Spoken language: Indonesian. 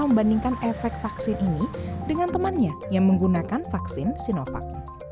membandingkan efek vaksin ini dengan temannya yang menggunakan vaksin sinovac